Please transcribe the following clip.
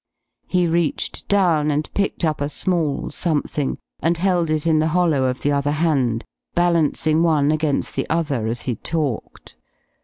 He reached down and picked up a small something and held it in the hollow of the other hand, balancing one against the other as he talked.